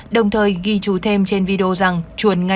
đồng thời ghi chú thêm trên video rằng